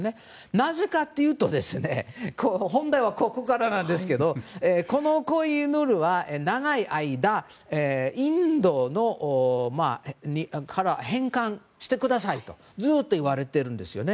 なぜかというと本題はここからなんですけどこのコ・イ・ヌールは長い間インドから返還してくださいとずっと言われているんですね。